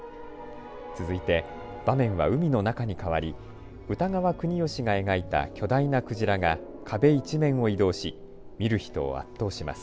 続いて場面は海の中に変わり歌川国芳が描いた巨大な鯨が壁一面を移動し見る人を圧倒します。